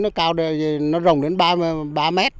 nó rồng đến ba mét